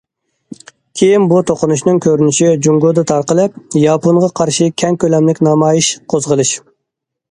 كېيىن بۇ توقۇنۇشنىڭ كۆرۈنۈشى جۇڭگودا تارقىلىپ، ياپونغا قارشى كەڭ كۆلەملىك نامايىش قوزغىلىش.